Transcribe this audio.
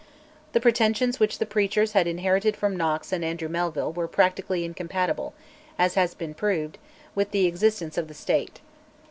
The pretensions which the preachers had inherited from Knox and Andrew Melville were practically incompatible, as had been proved, with the existence of the State.